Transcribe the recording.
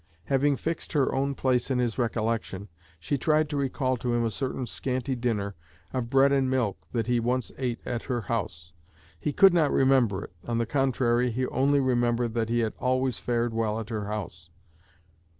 Having fixed her own place in his recollection, she tried to recall to him a certain scanty dinner of bread and milk that he once ate at her house. He could not remember it on the contrary, he only remembered that he had always fared well at her house.